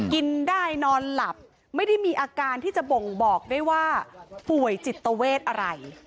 กินได้นอนหลับไม่ได้มีอาการที่จะบ่งบอกได้ว่าป่วยจิตเวทอะไร